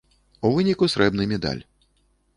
У выніку срэбны медаль.